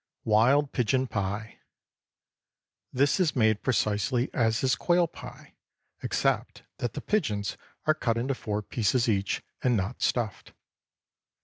WILD PIGEON PIE. ✠ This is made precisely as is quail pie, except that the pigeons are cut into four pieces each, and not stuffed.